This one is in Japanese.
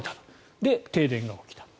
で、停電が起きた。